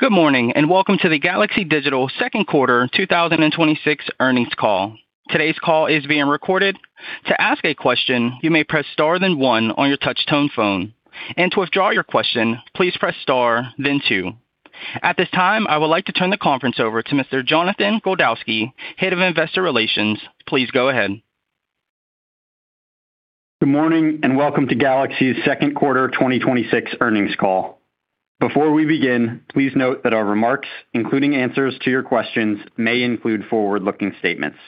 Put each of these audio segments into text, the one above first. Good morning and welcome to the Galaxy Digital second quarter 2026 earnings call. Today's call is being recorded. To ask a question, you may press star then one on your touch tone phone. To withdraw your question, please press star then two. At this time, I would like to turn the conference over to Mr. Jonathan Goldowsky, Head of Investor Relations. Please go ahead. Good morning and welcome to Galaxy's second quarter 2026 earnings call. Before we begin, please note that our remarks, including answers to your questions, may include forward-looking statements.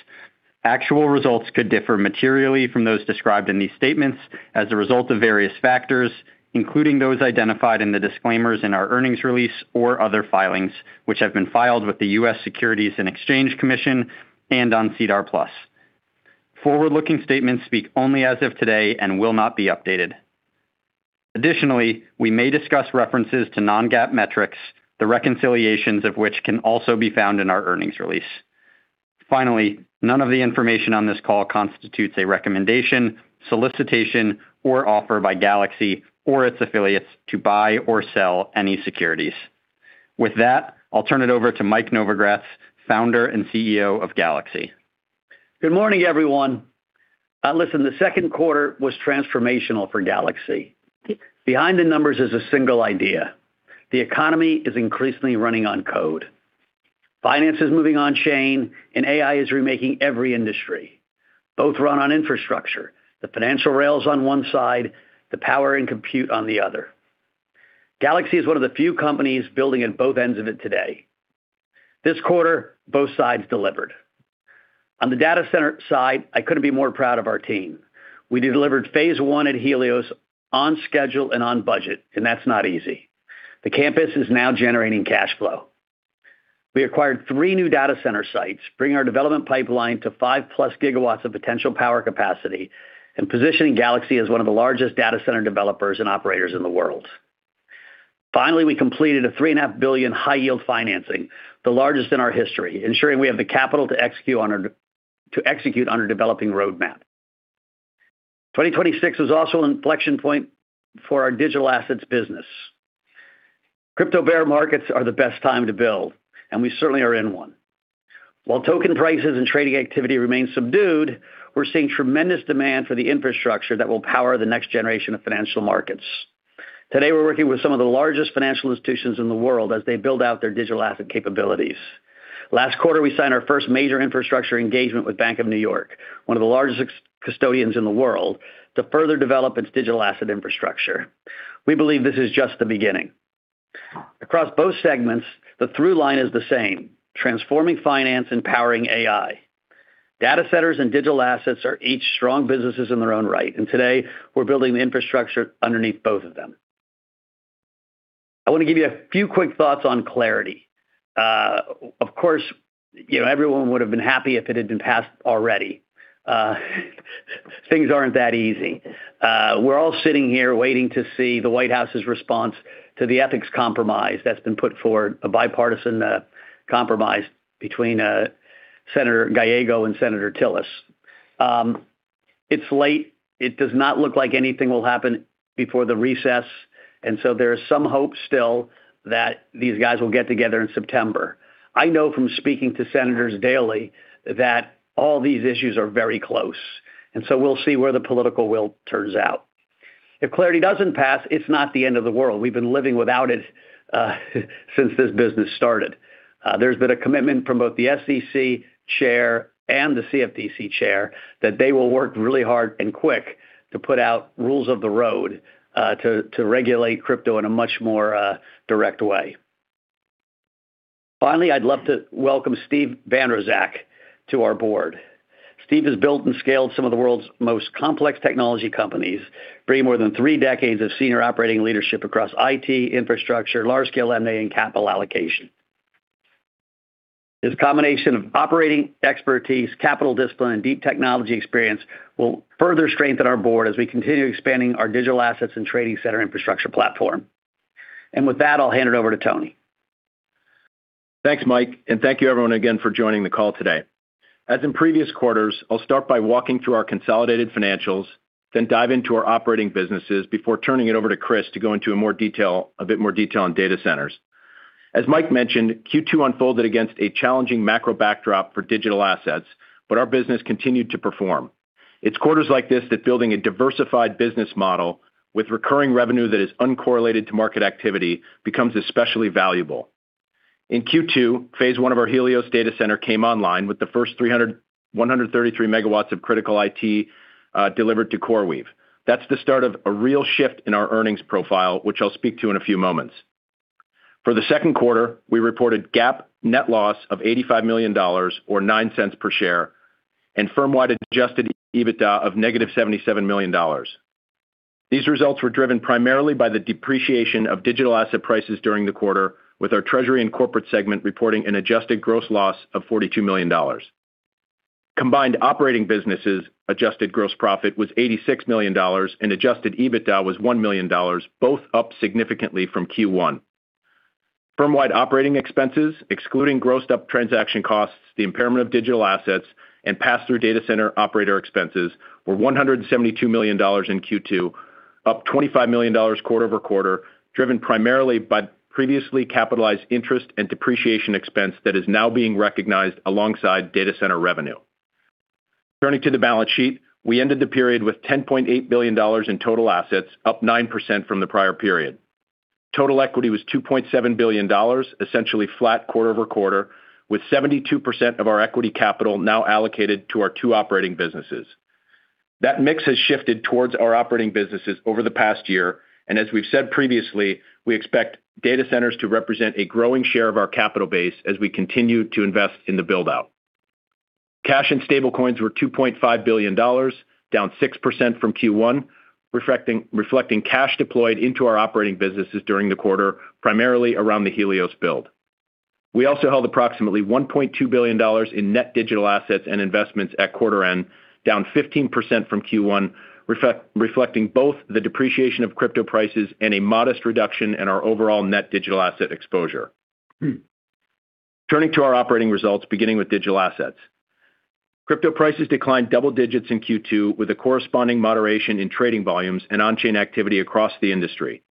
Actual results could differ materially from those described in these statements as a result of various factors, including those identified in the disclaimers in our earnings release or other filings, which have been filed with the U.S. Securities and Exchange Commission and on SEDAR+. Forward-looking statements speak only as of today and will not be updated. Additionally, we may discuss references to non-GAAP metrics, the reconciliations of which can also be found in our earnings release. Finally, none of the information on this call constitutes a recommendation, solicitation or offer by Galaxy or its affiliates to buy or sell any securities. With that, I'll turn it over to Mike Novogratz, Founder and CEO of Galaxy. Good morning, everyone. Listen, the second quarter was transformational for Galaxy. Behind the numbers is a single idea. The economy is increasingly running on code. Finance is moving on chain, and AI is remaking every industry. Both run on infrastructure, the financial rails on one side, the power and compute on the other. Galaxy is one of the few companies building at both ends of it today. This quarter, both sides delivered. On the data center side, I couldn't be more proud of our team. We delivered Phase I at Helios on schedule and on budget, and that's not easy. The campus is now generating cash flow. We acquired three new data center sites, bringing our development pipeline to five plus GW of potential power capacity, and positioning Galaxy as one of the largest data center developers and operators in the world. Finally, we completed a three-and-a-half billion high yield financing, the largest in our history, ensuring we have the capital to execute on our developing roadmap. 2026 was also an inflection point for our digital assets business. Crypto bear markets are the best time to build, and we certainly are in one. While token prices and trading activity remain subdued, we're seeing tremendous demand for the infrastructure that will power the next generation of financial markets. Today, we're working with some of the largest financial institutions in the world as they build out their digital asset capabilities. Last quarter, we signed our first major infrastructure engagement with Bank of New York, one of the largest custodians in the world, to further develop its digital asset infrastructure. We believe this is just the beginning. Across both segments, the through line is the same, transforming finance and powering AI. Data centers and digital assets are each strong businesses in their own right. Today we're building the infrastructure underneath both of them. I want to give you a few quick thoughts on Clarity. Of course, everyone would have been happy if it had been passed already, things aren't that easy. We're all sitting here waiting to see the White House's response to the ethics compromise that's been put forward, a bipartisan compromise between Senator Gallego and Senator Tillis. It's late, it does not look like anything will happen before the recess. There is some hope still that these guys will get together in September. I know from speaking to senators daily that all these issues are very close, so we'll see where the political will turns out. If Clarity doesn't pass, it's not the end of the world. We've been living without it since this business started. There's been a commitment from both the SEC chair and the CFTC chair that they will work really hard and quick to put out rules of the road to regulate crypto in a much more direct way. Finally, I'd love to welcome Steve Van Roekel to our board. Steve has built and scaled some of the world's most complex technology companies, bringing more than three decades of senior operating leadership across IT, infrastructure, large-scale M&A and capital allocation. His combination of operating expertise, capital discipline, and deep technology experience will further strengthen our board as we continue expanding our digital assets and trading center infrastructure platform. With that, I'll hand it over to Tony. Thanks, Mike. Thank you everyone again for joining the call today. As in previous quarters, I'll start by walking through our consolidated financials, then dive into our operating businesses before turning it over to Chris to go into a bit more detail on data centers. As Mike mentioned, Q2 unfolded against a challenging macro backdrop for digital assets, but our business continued to perform. It's quarters like this that building a diversified business model with recurring revenue that is uncorrelated to market activity becomes especially valuable. In Q2, Phase I of our Helios data center came online with the first 133 MW of critical IT delivered to CoreWeave. That's the start of a real shift in our earnings profile, which I'll speak to in a few moments. For the second quarter, we reported GAAP net loss of $85 million, or $0.09 per share, and firm-wide adjusted EBITDA of negative $77 million. These results were driven primarily by the depreciation of digital asset prices during the quarter, with our treasury and corporate segment reporting an adjusted gross loss of $42 million. Combined operating businesses' adjusted gross profit was $86 million, and adjusted EBITDA was $1 million, both up significantly from Q1. Firm-wide operating expenses, excluding grossed-up transaction costs, the impairment of digital assets, and pass-through data center operator expenses, were $172 million in Q2 up, $25 million quarter-over-quarter, driven primarily by previously capitalized interest and depreciation expense that is now being recognized alongside data center revenue. Turning to the balance sheet, we ended the period with $10.8 billion in total assets, up 9% from the prior period. Total equity was $2.7 billion, essentially flat quarter-over-quarter, with 72% of our equity capital now allocated to our two operating businesses. As we've said previously, we expect data centers to represent a growing share of our capital base as we continue to invest in the build-out. Cash and stablecoins were $2.5 billion, down 6% from Q1, reflecting cash deployed into our operating businesses during the quarter, primarily around the Helios build. We also held approximately $1.2 billion in net digital assets and investments at quarter end, down 15% from Q1, reflecting both the depreciation of crypto prices and a modest reduction in our overall net digital asset exposure. Turning to our operating results, beginning with digital assets. Crypto prices declined double digits in Q2, with a corresponding moderation in trading volumes and on-chain activity across the industry.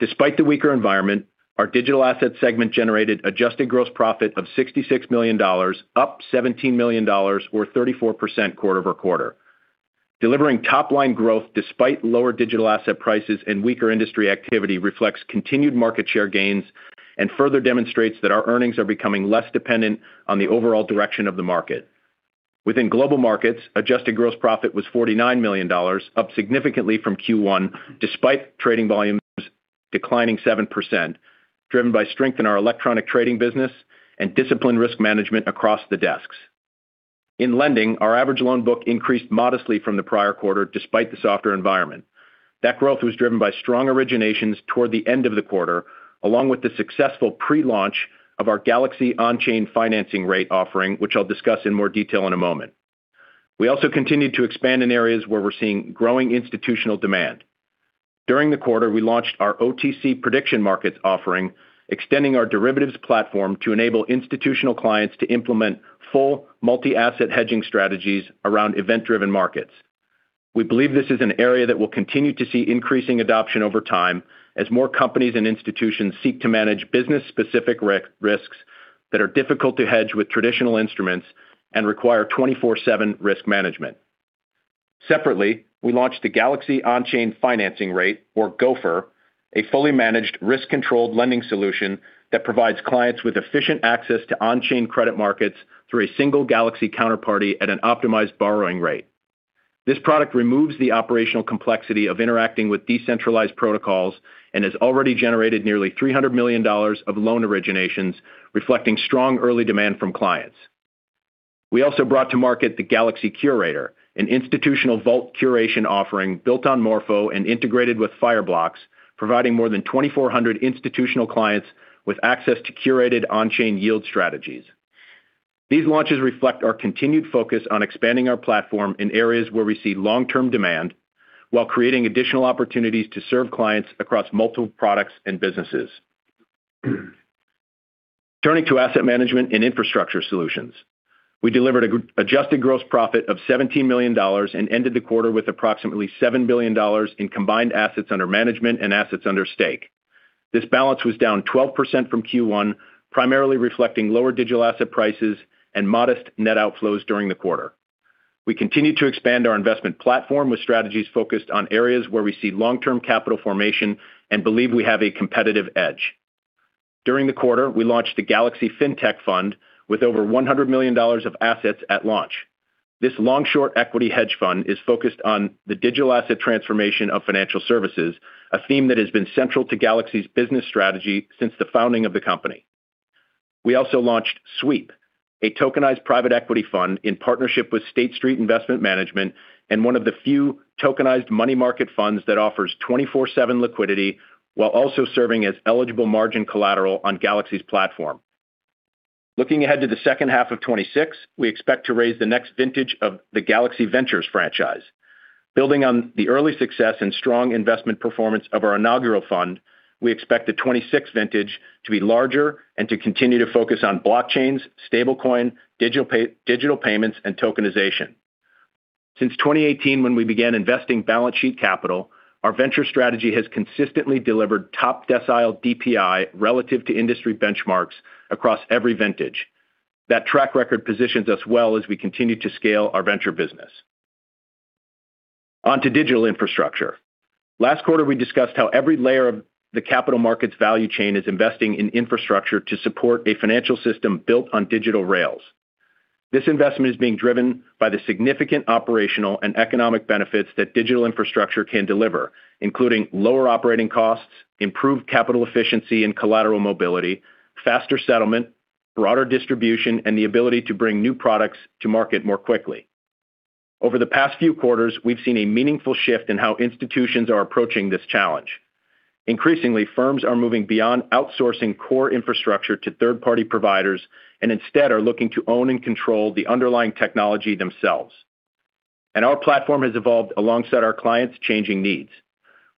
Despite the weaker environment, our digital asset segment generated adjusted gross profit of $66 million, up $17 million or 34% quarter-over-quarter. Delivering top-line growth despite lower digital asset prices and weaker industry activity reflects continued market share gains and further demonstrates that our earnings are becoming less dependent on the overall direction of the market. Within global markets, adjusted gross profit was $49 million, up significantly from Q1 despite trading volumes declining 7%, driven by strength in our electronic trading business and disciplined risk management across the desks. In lending, our average loan book increased modestly from the prior quarter, despite the softer environment. That growth was driven by strong originations toward the end of the quarter, along with the successful pre-launch of our Galaxy On-Chain Financing Rate offering, which I'll discuss in more detail in a moment. We also continued to expand in areas where we're seeing growing institutional demand. During the quarter, we launched our OTC prediction markets offering, extending our derivatives platform to enable institutional clients to implement full multi-asset hedging strategies around event-driven markets. We believe this is an area that will continue to see increasing adoption over time as more companies and institutions seek to manage business-specific risks that are difficult to hedge with traditional instruments and require 24/7 risk management. Separately, we launched the Galaxy On-Chain Financing Rate or GOFR, a fully managed, risk-controlled lending solution that provides clients with efficient access to on-chain credit markets through a single Galaxy counterparty at an optimized borrowing rate. This product removes the operational complexity of interacting with decentralized protocols and has already generated nearly $300 million of loan originations, reflecting strong early demand from clients. We also brought to market the Galaxy Curator, an institutional vault curation offering built on Morpho and integrated with Fireblocks providing more than 2,400 institutional clients with access to curated on-chain yield strategies. These launches reflect our continued focus on expanding our platform in areas where we see long-term demand while creating additional opportunities to serve clients across multiple products and businesses. Turning to asset management and infrastructure solutions. We delivered an adjusted gross profit of $17 million and ended the quarter with approximately $7 billion in combined assets under management and assets under stake. This balance was down 12% from Q1, primarily reflecting lower digital asset prices and modest net outflows during the quarter. We continued to expand our investment platform with strategies focused on areas where we see long-term capital formation and believe we have a competitive edge. During the quarter, we launched the Galaxy Fintech Fund with over $100 million of assets at launch. This long-short equity hedge fund is focused on the digital asset transformation of financial services, a theme that has been central to Galaxy's business strategy since the founding of the company. We also launched SWEEP, a tokenized private equity fund in partnership with State Street Investment Management and one of the few tokenized money market funds that offers 24/7 liquidity while also serving as eligible margin collateral on Galaxy's platform. Looking ahead to the second half of 2026, we expect to raise the next vintage of the Galaxy Ventures franchise. Building on the early success and strong investment performance of our inaugural fund, we expect the 2026 vintage to be larger and to continue to focus on blockchains, stablecoin, digital payments, and tokenization. Since 2018, when we began investing balance sheet capital, our venture strategy has consistently delivered top decile DPI relative to industry benchmarks across every vintage. That track record positions us well as we continue to scale our venture business. On to digital infrastructure. Last quarter, we discussed how every layer of the capital markets value chain is investing in infrastructure to support a financial system built on digital rails. This investment is being driven by the significant operational and economic benefits that digital infrastructure can deliver. Including lower operating costs, improved capital efficiency and collateral mobility, faster settlement, broader distribution, and the ability to bring new products to market more quickly. Over the past few quarters, we've seen a meaningful shift in how institutions are approaching this challenge. Increasingly, firms are moving beyond outsourcing core infrastructure to third-party providers and instead are looking to own and control the underlying technology themselves. Our platform has evolved alongside our clients' changing needs.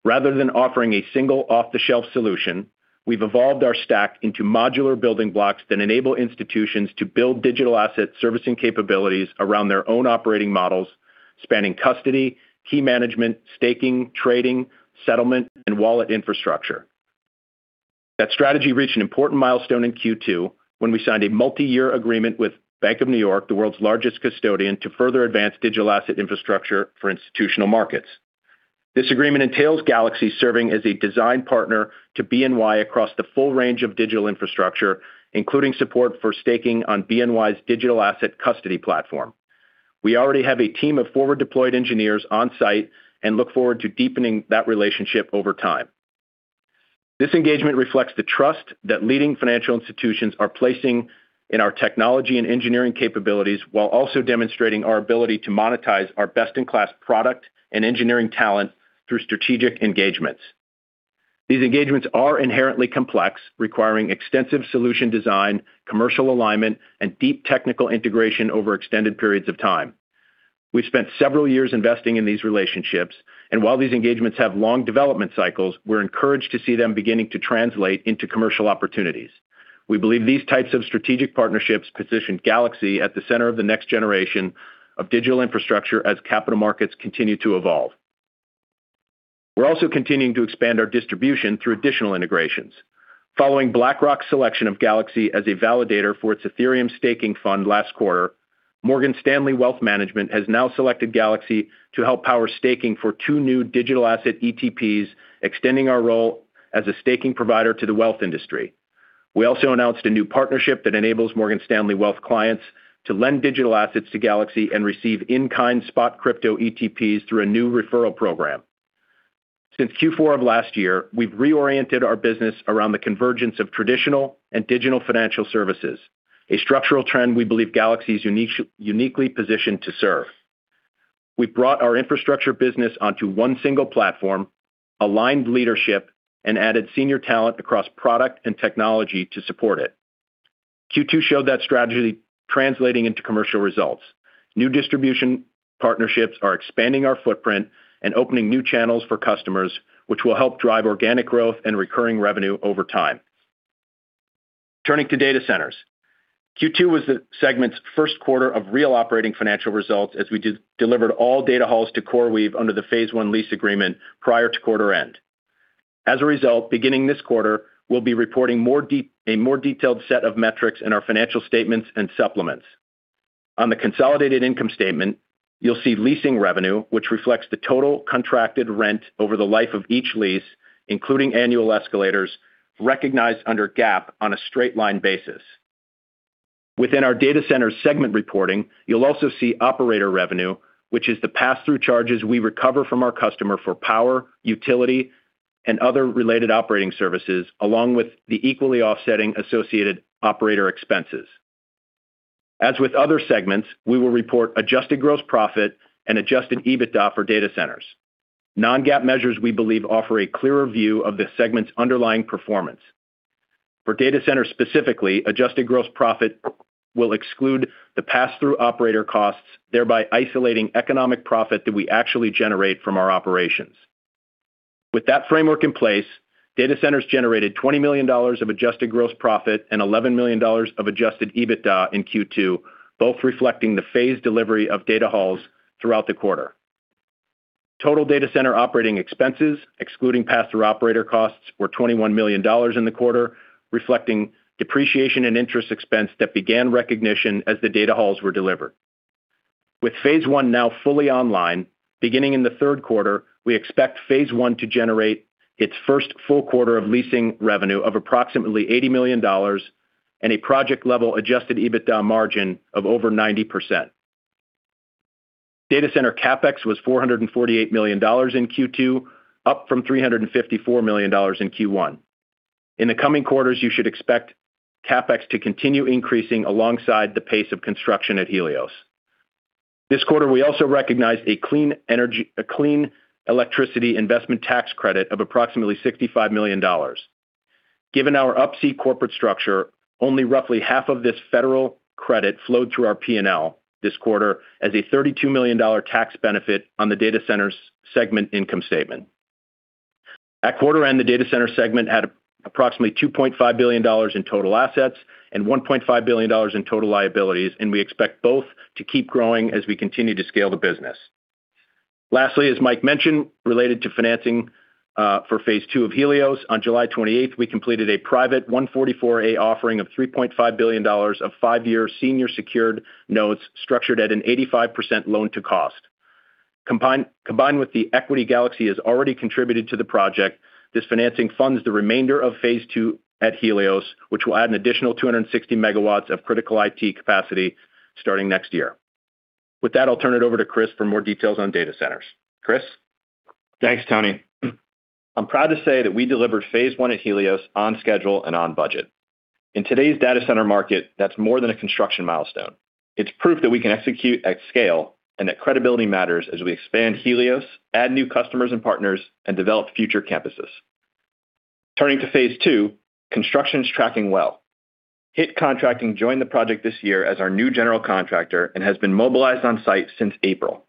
Rather than offering a single off-the-shelf solution, we've evolved our stack into modular building blocks that enable institutions to build digital asset servicing capabilities around their own operating models, spanning custody, key management, staking, trading, settlement, and wallet infrastructure. That strategy reached an important milestone in Q2 when we signed a multi-year agreement with Bank of New York, the world's largest custodian, to further advance digital asset infrastructure for institutional markets. This agreement entails Galaxy serving as a design partner to BNY across the full range of digital infrastructure, including support for staking on BNY's digital asset custody platform. We already have a team of forward-deployed engineers on-site and look forward to deepening that relationship over time. This engagement reflects the trust that leading financial institutions are placing in our technology and engineering capabilities while also demonstrating our ability to monetize our best-in-class product and engineering talent through strategic engagements. These engagements are inherently complex, requiring extensive solution design, commercial alignment, and deep technical integration over extended periods of time. We've spent several years investing in these relationships, and while these engagements have long development cycles, we're encouraged to see them beginning to translate into commercial opportunities. We believe these types of strategic partnerships position Galaxy at the center of the next generation of digital infrastructure as capital markets continue to evolve. We're also continuing to expand our distribution through additional integrations. Following BlackRock's selection of Galaxy as a validator for its Ethereum staking fund last quarter, Morgan Stanley Wealth Management has now selected Galaxy to help power staking for two new digital asset ETPs, extending our role as a staking provider to the wealth industry. We also announced a new partnership that enables Morgan Stanley Wealth clients to lend digital assets to Galaxy and receive in-kind spot crypto ETPs through a new referral program. Since Q4 of last year, we've reoriented our business around the convergence of traditional and digital financial services, a structural trend we believe Galaxy is uniquely positioned to serve. We've brought our infrastructure business onto one single platform, aligned leadership, and added senior talent across product and technology to support it. Q2 showed that strategy translating into commercial results. New distribution partnerships are expanding our footprint and opening new channels for customers, which will help drive organic growth and recurring revenue over time. Turning to data centers. Q2 was the segment's first quarter of real operating financial results as we delivered all data halls to CoreWeave under the Phase I lease agreement prior to quarter end. As a result, beginning this quarter, we'll be reporting a more detailed set of metrics in our financial statements and supplements. On the consolidated income statement, you'll see leasing revenue, which reflects the total contracted rent over the life of each lease, including annual escalators, recognized under GAAP on a straight line basis. Within our data center segment reporting, you'll also see operator revenue, which is the pass-through charges we recover from our customer for power, utility, and other related operating services, along with the equally offsetting associated operator expenses. With other segments, we will report adjusted gross profit and adjusted EBITDA for data centers. Non-GAAP measures we believe offer a clearer view of the segment's underlying performance. For data centers specifically, adjusted gross profit will exclude the pass-through operator costs, thereby isolating economic profit that we actually generate from our operations. With that framework in place, data centers generated $20 million of adjusted gross profit and $11 million of adjusted EBITDA in Q2, both reflecting the phased delivery of data halls throughout the quarter. Total data center operating expenses, excluding pass-through operator costs, were $21 million in the quarter, reflecting depreciation and interest expense that began recognition as the data halls were delivered. With Phase I now fully online, beginning in the third quarter, we expect Phase I to generate its first full quarter of leasing revenue of approximately $80 million and a project-level adjusted EBITDA margin of over 90%. Data center CapEx was $448 million in Q2, up from $354 million in Q1. In the coming quarters, you should expect CapEx to continue increasing alongside the pace of construction at Helios. This quarter, we also recognized a clean electricity investment tax credit of approximately $65 million. Given our Up-C corporate structure, only roughly half of this federal credit flowed through our P&L this quarter as a $32 million tax benefit on the Data Centers Segment income statement. At quarter end, the Data Centers Segment had approximately $2.5 billion in total assets and $1.5 billion in total liabilities, and we expect both to keep growing as we continue to scale the business. Lastly, as Mike mentioned, related to financing for Phase II of Helios, on July 28th, we completed a private 144A offering of $3.5 billion of five-year senior secured notes structured at an 85% loan to cost. Combined with the equity Galaxy has already contributed to the project, this financing funds the remainder of Phase II at Helios, which will add an additional 260 MW of critical IT capacity starting next year. With that, I'll turn it over to Chris for more details on data centers. Chris? Thanks, Tony. I'm proud to say that we delivered Phase I at Helios on schedule and on budget. In today's data center market, that's more than a construction milestone. It's proof that we can execute at scale and that credibility matters as we expand Helios, add new customers and partners, and develop future campuses. Turning to Phase II, construction's tracking well. HITT Contracting joined the project this year as our new general contractor and has been mobilized on site since April.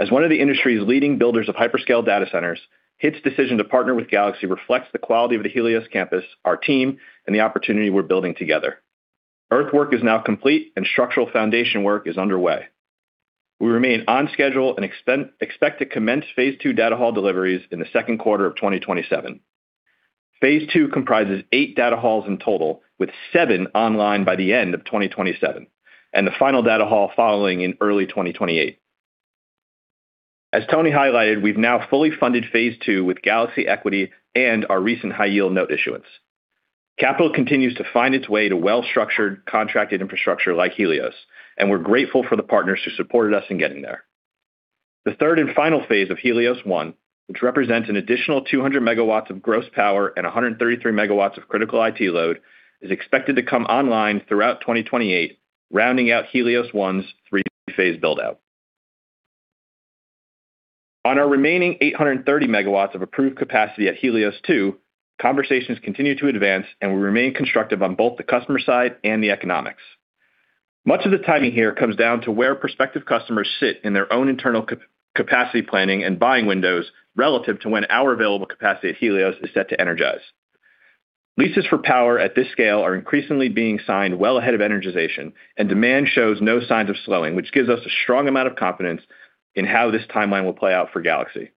As one of the industry's leading builders of hyperscale data centers, HITT's decision to partner with Galaxy reflects the quality of the Helios campus, our team, and the opportunity we're building together. Earthwork is now complete, and structural foundation work is underway. We remain on schedule and expect to commence Phase II data hall deliveries in the second quarter of 2027. Phase II comprises eight data halls in total, with seven online by the end of 2027, and the final data hall following in early 2028. As Tony highlighted, we've now fully funded Phase II with Galaxy equity and our recent high-yield note issuance. Capital continues to find its way to well-structured contracted infrastructure like Helios, and we're grateful for the partners who supported us in getting there. The third and final phase of Helios one, which represents an additional 200 MW of gross power and 133 MW of critical IT load, is expected to come online throughout 2028, rounding out Helios one's three-phase build-out. On our remaining 830 MW of approved capacity at Helios Two, conversations continue to advance, and we remain constructive on both the customer side and the economics. Much of the timing here comes down to where prospective customers sit in their own internal capacity planning and buying windows relative to when our available capacity at Helios is set to energize. Leases for power at this scale are increasingly being signed well ahead of energization, and demand shows no signs of slowing, which gives us a strong amount of confidence in how this timeline will play out for Galaxy.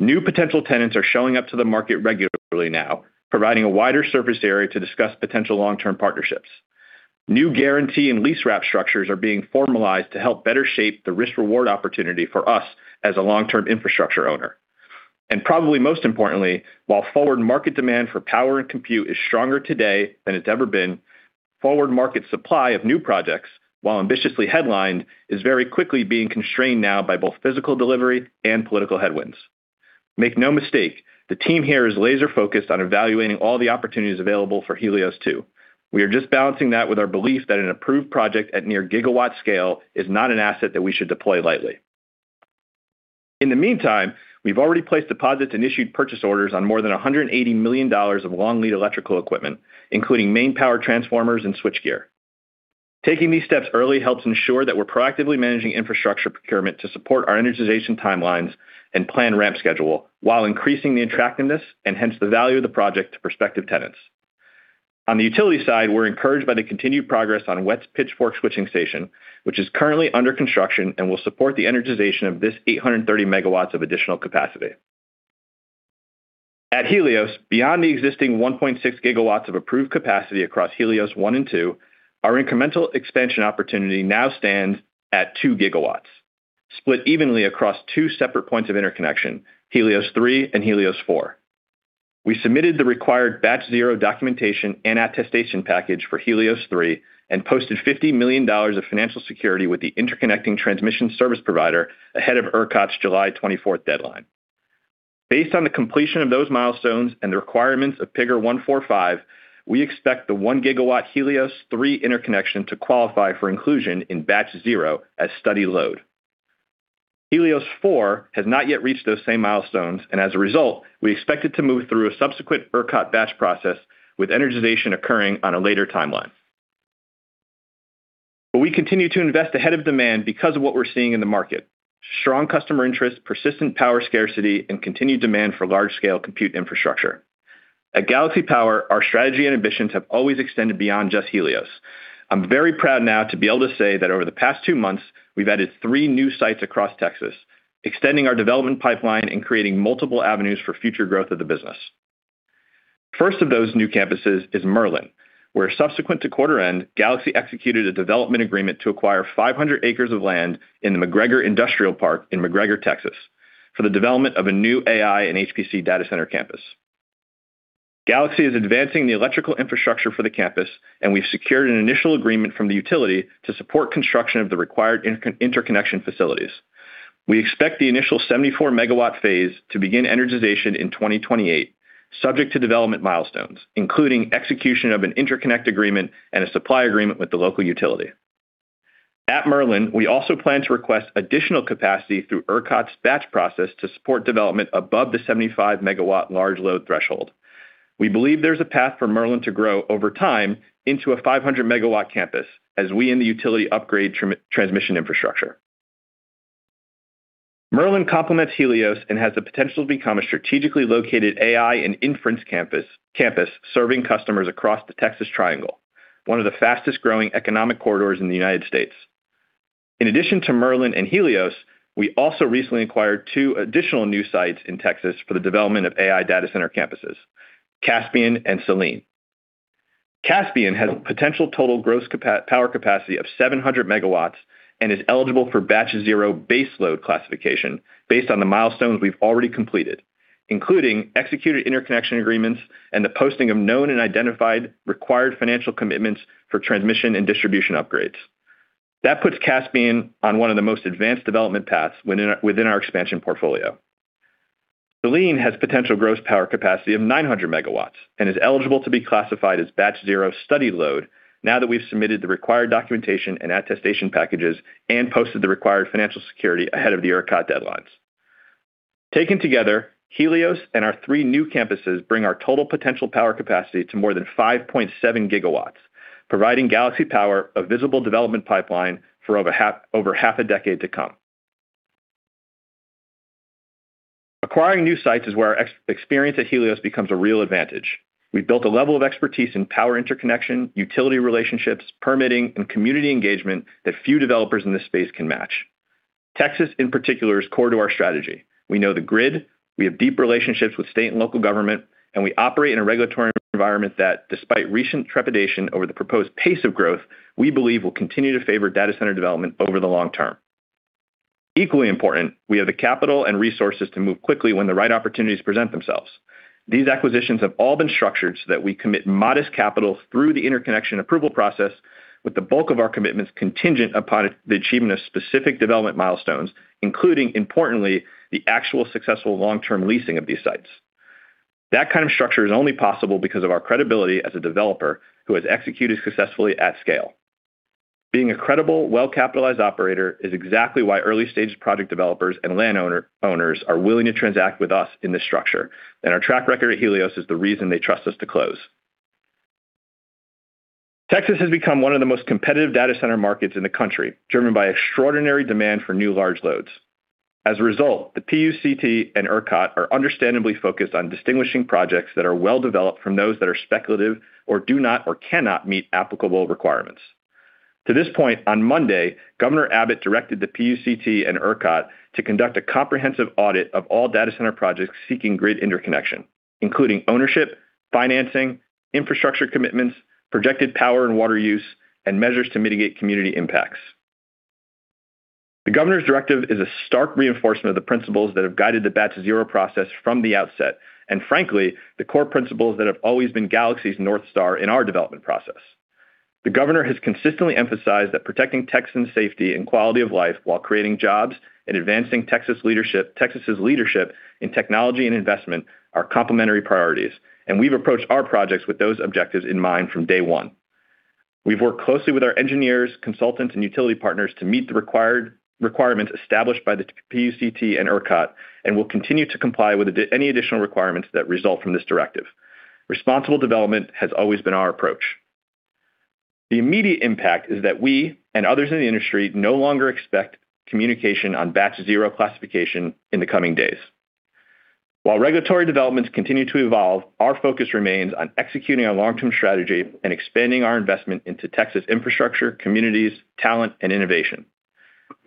New potential tenants are showing up to the market regularly now, providing a wider surface area to discuss potential long-term partnerships. New guarantee and lease wrap structures are being formalized to help better shape the risk-reward opportunity for us as a long-term infrastructure owner. Probably most importantly, while forward market demand for power and compute is stronger today than it's ever been, forward market supply of new projects, while ambitiously headlined, is very quickly being constrained now by both physical delivery and political headwinds. Make no mistake, the team here is laser-focused on evaluating all the opportunities available for Helios Two. We are just balancing that with our belief that an approved project at near gigawatt scale is not an asset that we should deploy lightly. In the meantime, we've already placed deposits and issued purchase orders on more than $180 million of long-lead electrical equipment, including main power transformers and switchgear. Taking these steps early helps ensure that we're proactively managing infrastructure procurement to support our energization timelines and plan ramp schedule while increasing the attractiveness and hence the value of the project to prospective tenants. On the utility side, we're encouraged by the continued progress on West's Pitchfork switching station, which is currently under construction and will support the energization of this 830 MW of additional capacity. At Helios, beyond the existing 1.6 GW of approved capacity across Helios one and two, our incremental expansion opportunity now stands at two gigawatts, split evenly across two separate points of interconnection, Helios three and Helios four. We submitted the required Batch Zero documentation and attestation package for Helios three and posted $50 million of financial security with the interconnecting transmission service provider ahead of ERCOT's July 24th deadline. Based on the completion of those milestones and the requirements of PR 145, we expect the one GW Helios three interconnection to qualify for inclusion in Batch Zero as study load. Helios four has not yet reached those same milestones. As a result, we expect it to move through a subsequent ERCOT Batch process with energization occurring on a later timeline. We continue to invest ahead of demand because of what we're seeing in the market. Strong customer interest, persistent power scarcity, and continued demand for large-scale compute infrastructure. At Galaxy Power, our strategy and ambitions have always extended beyond just Helios. I'm very proud now to be able to say that over the past two months, we've added three new sites across Texas, extending our development pipeline and creating multiple avenues for future growth of the business. First of those new campuses is Merlin, where subsequent to quarter end, Galaxy executed a development agreement to acquire 500 acres of land in the McGregor Industrial Park in McGregor, Texas, for the development of a new AI and HPC data center campus. Galaxy is advancing the electrical infrastructure for the campus, and we've secured an initial agreement from the utility to support construction of the required interconnection facilities. We expect the initial 74 MW Phase to begin energization in 2028, subject to development milestones, including execution of an interconnect agreement and a supply agreement with the local utility. At Merlin, we also plan to request additional capacity through ERCOT's Batch process to support development above the 75 MW large load threshold. We believe there's a path for Merlin to grow over time into a 500 MW campus as we in the utility upgrade transmission infrastructure. Merlin complements Helios and has the potential to become a strategically located AI and inference campus, serving customers across the Texas Triangle, one of the fastest-growing economic corridors in the United States. In addition to Merlin and Helios, we also recently acquired two additional new sites in Texas for the development of AI data center campuses, Caspian and Selene. Caspian has a potential total gross power capacity of 700 MW and is eligible for Batch Zero base load classification based on the milestones we've already completed, including executed interconnection agreements and the posting of known and identified required financial commitments for transmission and distribution upgrades. That puts Caspian on one of the most advanced development paths within our expansion portfolio. Selene has potential gross power capacity of 900 MW and is eligible to be classified as Batch Zero study load now that we've submitted the required documentation and attestation packages and posted the required financial security ahead of the ERCOT deadlines. Taken together, Helios and our three new campuses bring our total potential power capacity to more than 5.7 GW, providing Galaxy Power a visible development pipeline for over half a decade to come. Acquiring new sites is where our experience at Helios becomes a real advantage. We've built a level of expertise in power interconnection, utility relationships, permitting, and community engagement that few developers in this space can match. Texas, in particular, is core to our strategy. We know the grid, we have deep relationships with state and local government, we operate in a regulatory environment that, despite recent trepidation over the proposed pace of growth, we believe will continue to favor data center development over the long term. Equally important, we have the capital and resources to move quickly when the right opportunities present themselves. These acquisitions have all been structured so that we commit modest capital through the interconnection approval process with the bulk of our commitments contingent upon the achievement of specific development milestones, including, importantly, the actual successful long-term leasing of these sites. That kind of structure is only possible because of our credibility as a developer who has executed successfully at scale. Being a credible, well-capitalized operator is exactly why early-stage project developers and landowner owners are willing to transact with us in this structure, our track record at Helios is the reason they trust us to close. Texas has become one of the most competitive data center markets in the country, driven by extraordinary demand for new large loads. As a result, the PUCT and ERCOT are understandably focused on distinguishing projects that are well-developed from those that are speculative or do not or cannot meet applicable requirements. To this point, on Monday, Governor Abbott directed the PUCT and ERCOT to conduct a comprehensive audit of all data center projects seeking grid interconnection, including ownership, financing, infrastructure commitments, projected power and water use, and measures to mitigate community impacts. The Governor's directive is a stark reinforcement of the principles that have guided the Batch Zero process from the outset, frankly, the core principles that have always been Galaxy's North Star in our development process. The Governor has consistently emphasized that protecting Texans' safety and quality of life while creating jobs and advancing Texas' leadership in technology and investment are complementary priorities, we've approached our projects with those objectives in mind from day one. We've worked closely with our engineers, consultants, and utility partners to meet the requirements established by the PUCT and ERCOT, will continue to comply with any additional requirements that result from this directive. Responsible development has always been our approach. The immediate impact is that we, and others in the industry, no longer expect communication on Batch Zero classification in the coming days. While regulatory developments continue to evolve, our focus remains on executing our long-term strategy and expanding our investment into Texas infrastructure, communities, talent, and innovation.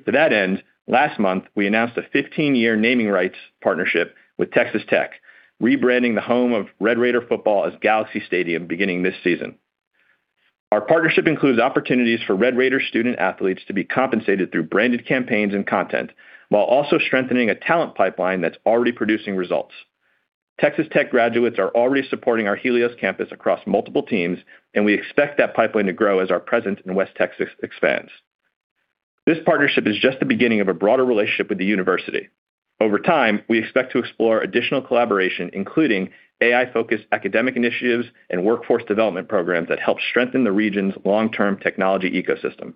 To that end, last month, we announced a 15-year naming rights partnership with Texas Tech, rebranding the home of Red Raider football as Galaxy Stadium beginning this season. Our partnership includes opportunities for Red Raider student-athletes to be compensated through branded campaigns and content while also strengthening a talent pipeline that's already producing results. Texas Tech graduates are already supporting our Helios campus across multiple teams, we expect that pipeline to grow as our presence in West Texas expands. This partnership is just the beginning of a broader relationship with the university. Over time, we expect to explore additional collaboration, including AI-focused academic initiatives and workforce development programs that help strengthen the region's long-term technology ecosystem.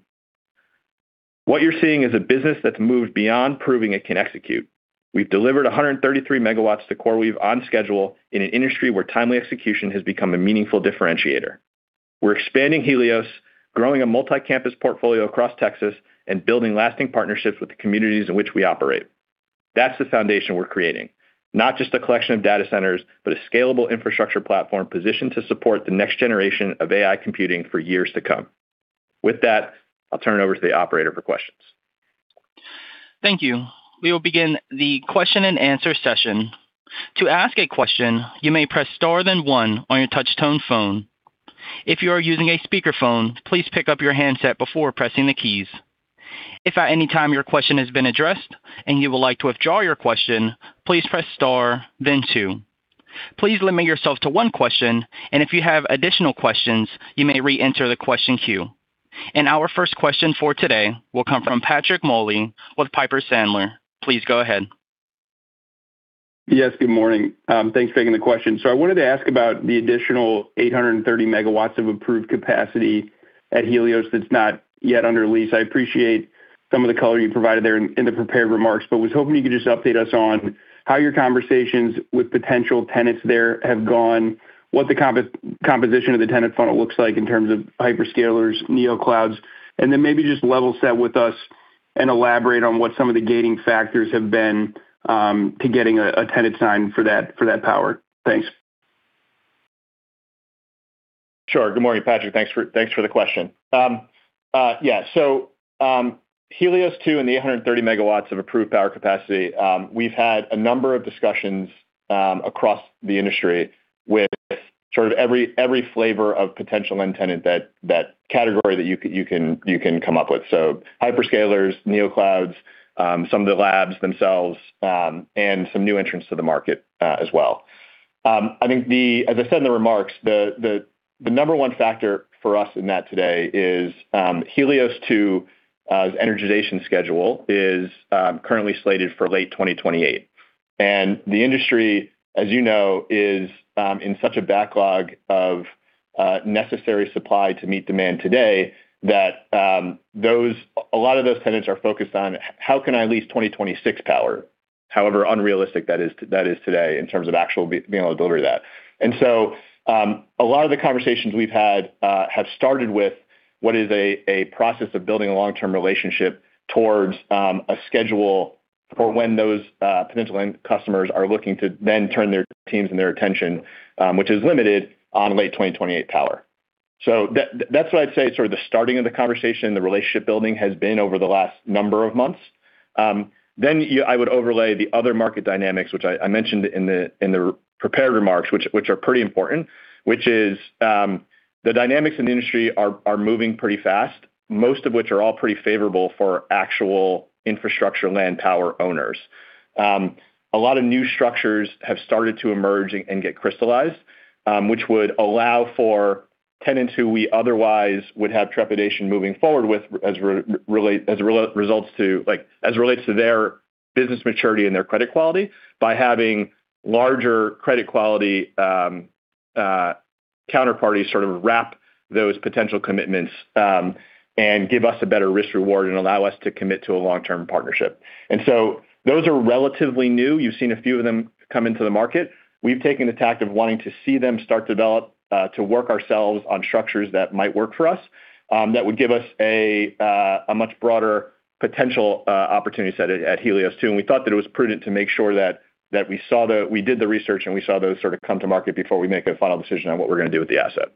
What you're seeing is a business that's moved beyond proving it can execute. We've delivered 133 MW to CoreWeave on schedule in an industry where timely execution has become a meaningful differentiator. We're expanding Helios, growing a multi-campus portfolio across Texas, building lasting partnerships with the communities in which we operate. That's the foundation we're creating. Not just a collection of data centers, but a scalable infrastructure platform positioned to support the next generation of AI computing for years to come. With that, I'll turn it over to the operator for questions. Thank you. We will begin the question-and-answer session. To ask a question, you may press star then one on your touch tone phone. If you are using a speakerphone, please pick up your handset before pressing the keys. If at any time your question has been addressed and you would like to withdraw your question, please press star, then two. Please limit yourself to one question, if you have additional questions, you may re-enter the question queue. Our first question for today will come from Patrick Moley with Piper Sandler. Please go ahead. Yes, good morning. Thanks for taking the question. I wanted to ask about the additional 830 MW of approved capacity at Helios that's not yet under lease. I appreciate some of the color you provided there in the prepared remarks, but was hoping you could just update us on how your conversations with potential tenants there have gone. What the composition of the tenant funnel looks like in terms of hyperscalers, Neoclouds, and then maybe just level set with us and elaborate on what some of the gating factors have been to getting a tenant signed for that power. Thanks. Sure. Good morning, Patrick. Thanks for the question. Helios two and the 130 MW of approved power capacity, we've had a number of discussions across the industry with sort of every flavor of potential end tenant, that category that you can come up with. Hyperscalers, Neoclouds, some of the labs themselves, and some new entrants to the market as well. As I said in the remarks, the number one factor for us in that today is Helios 2 energization schedule is currently slated for late 2028. The industry, as you know, is in such a backlog of necessary supply to meet demand today, that a lot of those tenants are focused on, how can I lease 2026 power? However unrealistic that is today in terms of actual being able to deliver that. A lot of the conversations we've had, have started with what is a process of building a long-term relationship towards a schedule for when those potential end customers are looking to then turn their teams and their attention, which is limited on late 2028 power. That's what I'd say is sort of the starting of the conversation, the relationship building has been over the last number of months. I would overlay the other market dynamics, which I mentioned in the prepared remarks, which are pretty important. The dynamics in the industry are moving pretty fast, most of which are all pretty favorable for actual infrastructure land power owners. A lot of new structures have started to emerge and get crystallized, which would allow for tenants who we otherwise would have trepidation moving forward with as it relates to their business maturity and their credit quality by having larger credit quality counterparties sort of wrap those potential commitments, and give us a better risk-reward and allow us to commit to a long-term partnership. Those are relatively new, you've seen a few of them come into the market. We've taken the tact of wanting to see them start to develop, to work ourselves on structures that might work for us, that would give us a much broader potential opportunity set at Helios two. We thought that it was prudent to make sure that we did the research and we saw those sort of come to market before we make a final decision on what we are going to do with the asset.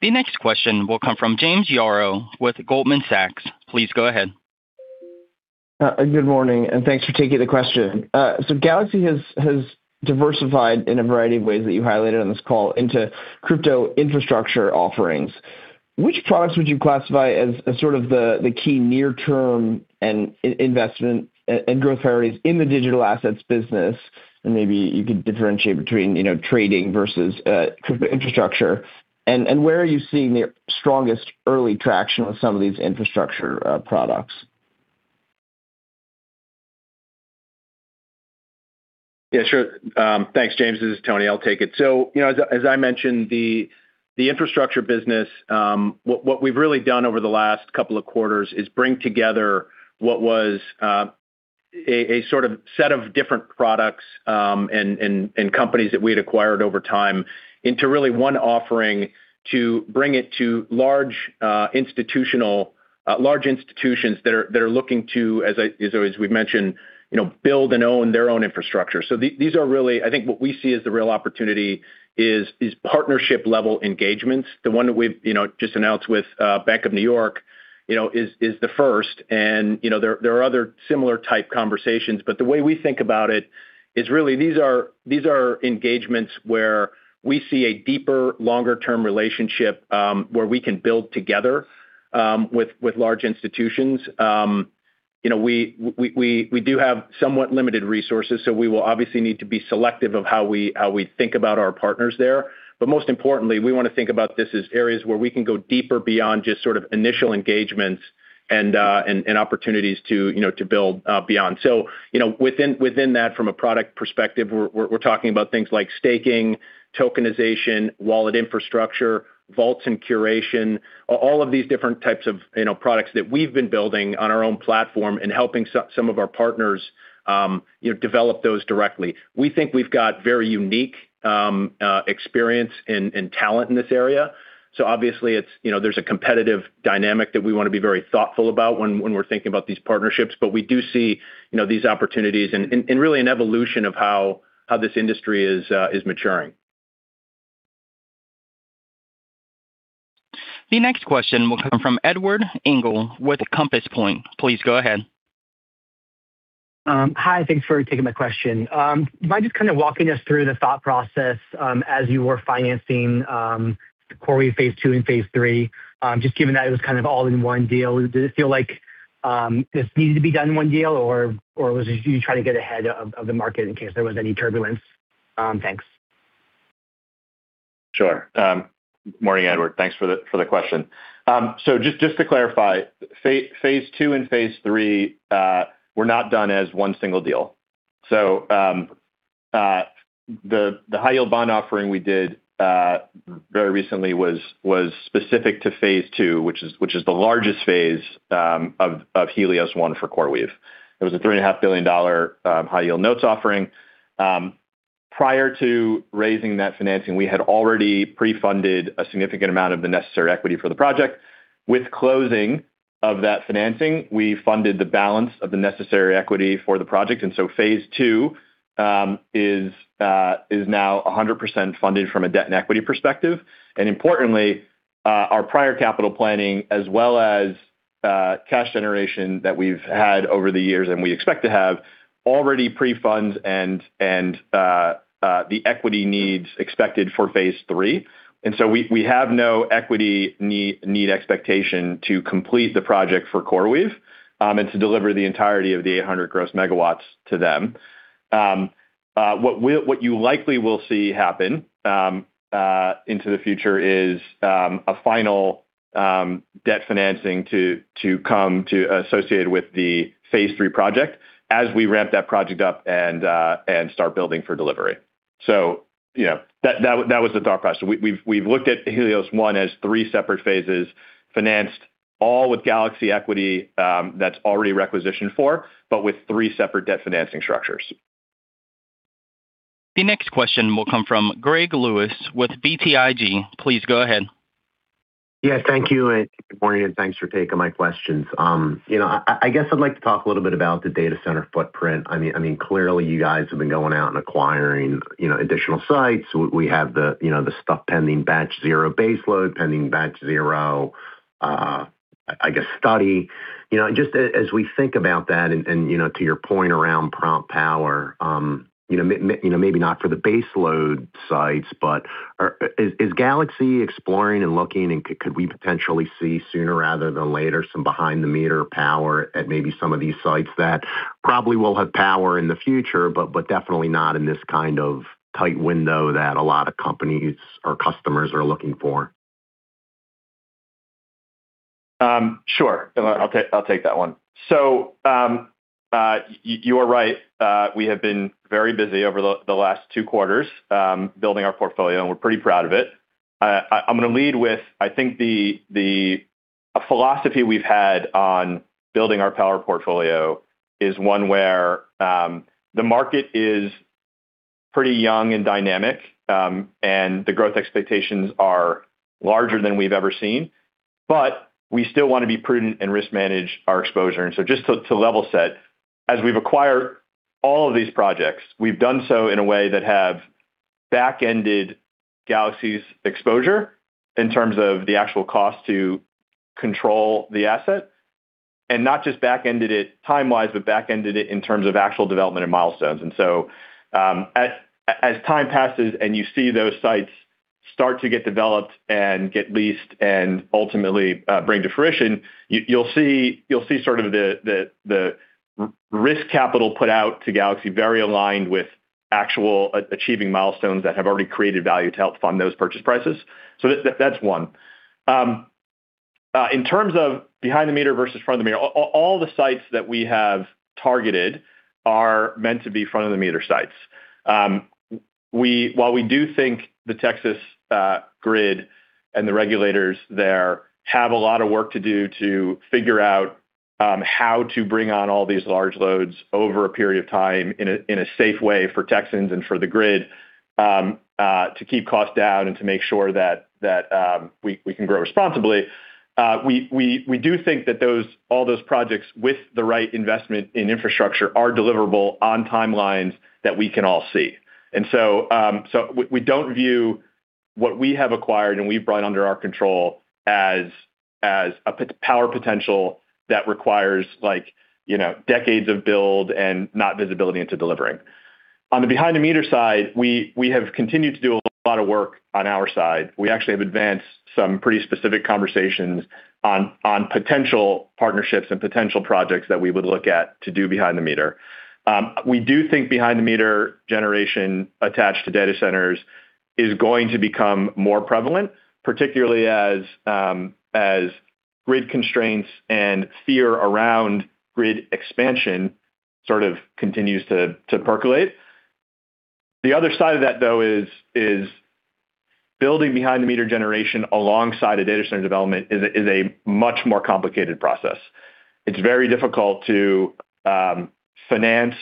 The next question will come from James Yaro with Goldman Sachs. Please go ahead. Good morning, and thanks for taking the question. Galaxy has diversified in a variety of ways that you highlighted on this call into crypto infrastructure offerings. Which products would you classify as sort of the key near-term and investment and growth priorities in the Digital Assets business? Maybe you could differentiate between trading versus crypto infrastructure. Where are you seeing the strongest early traction with some of these infrastructure products? Yeah, sure. Thanks, James. This is Tony. I will take it. As I mentioned, the infrastructure business, what we have really done over the last couple of quarters is bring together what was a sort of set of different products, and companies that we had acquired over time into really one offering to bring it to large institutions that are looking to, as we have mentioned, build and own their own infrastructure. These are really I think what we see as the real opportunity is partnership-level engagements. The one that we have just announced with Bank of New York is the first, and there are other similar type conversations, but the way we think about it is really these are engagements where we see a deeper, longer-term relationship, where we can build together with large institutions. We do have somewhat limited resources, we will obviously need to be selective of how we think about our partners there. Most importantly, we want to think about this as areas where we can go deeper beyond just sort of initial engagements and opportunities to build beyond. Within that, from a product perspective, we're talking about things like staking, tokenization, wallet infrastructure, vaults and curation, all of these different types of products that we've been building on our own platform and helping some of our partners develop those directly. We think we've got very unique experience and talent in this area. Obviously, there's a competitive dynamic that we want to be very thoughtful about when we're thinking about these partnerships. We do see these opportunities and really an evolution of how this industry is maturing. The next question will come from Edward Engel with Compass Point. Please go ahead. Hi, thanks for taking my question. Do you mind just kind of walking us through the thought process as you were financing the Quarry Phase II and Phase III? Given that it was kind of all in one deal, did it feel like this needed to be done in one deal, or was it you trying to get ahead of the market in case there was any turbulence? Thanks. Sure. Morning, Edward. Thanks for the question. Just to clarify, Phase II and Phase III were not done as one single deal. The high-yield bond offering we did very recently was specific to Phase II, which is the largest phase of Helios one for CoreWeave. It was a $3.5 billion high-yield notes offering. Prior to raising that financing, we had already pre-funded a significant amount of the necessary equity for the project. With closing of that financing, we funded the balance of the necessary equity for the project, Phase II is now 100% funded from a debt and equity perspective. Importantly, our prior capital planning as well as cash generation that we've had over the years and we expect to have already pre-funds and the equity needs expected for Phase III. We have no equity need expectation to complete the project for CoreWeave, and to deliver the entirety of the 800 gross MW to them. What you likely will see happen into the future is a final debt financing to come to associated with the Phase III project as we ramp that project up and start building for delivery. That was the thought process. We've looked at Helios one as three separate phases, financed all with Galaxy equity that's already requisitioned for, but with three separate debt financing structures. The next question will come from Greg Lewis with BTIG. Please go ahead. Thank you. Good morning, and thanks for taking my questions. I guess I'd like to talk a little bit about the data center footprint. Clearly, you guys have been going out and acquiring additional sites. We have the stuff pending Batch Zero baseload, pending Batch Zero, I guess study. Just as we think about that and to your point around prompt power, maybe not for the baseload sites, but is Galaxy exploring and looking, and could we potentially see sooner rather than later some behind-the-meter power at maybe some of these sites that probably will have power in the future, but definitely not in this kind of tight window that a lot of companies or customers are looking for? Sure. I'll take that one. You are right, we have been very busy over the last two quarters building our portfolio, and we're pretty proud of it. I'm going to lead with, I think the philosophy we've had on building our power portfolio is one where the market is pretty young and dynamic, and the growth expectations are larger than we've ever seen. We still want to be prudent and risk manage our exposure. Just to level set, as we've acquired all of these projects, we've done so in a way that have back-ended Galaxy's exposure in terms of the actual cost to control the asset. Not just back-ended it time-wise, but back-ended it in terms of actual development and milestones. As time passes and you see those sites start to get developed and get leased and ultimately bring to fruition, you'll see the risk capital put out to Galaxy very aligned with actual achieving milestones that have already created value to help fund those purchase prices, so that's one. In terms of behind the meter versus in front of the meter, all the sites that we have targeted are meant to be front of the meter sites. While we do think the Texas grid and the regulators there have a lot of work to do to figure out how to bring on all these large loads over a period of time in a safe way for Texans and for the grid, to keep costs down and to make sure that we can grow responsibly. We do think that all those projects with the right investment in infrastructure are deliverable on timelines that we can all see. We don't view what we have acquired and we've brought under our control as a power potential that requires decades of build and not visibility into delivering. On the behind the meter side, we have continued to do a lot of work on our side. We actually have advanced some pretty specific conversations on potential partnerships and potential projects that we would look at to do behind the meter. We do think behind the meter generation attached to data centers is going to become more prevalent, particularly as grid constraints and fear around grid expansion sort of continues to percolate. The other side of that, though, is building behind the meter generation alongside a data center development is a much more complicated process. It's very difficult to finance,